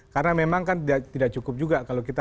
karena memang kan tidak cukup juga kalau kita